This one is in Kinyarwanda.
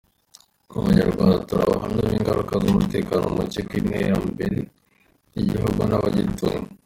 Abanyarwanda turi abahamya b’ingaruka z’umutekano muke ku iterambere ry’igihugu n’abagituye.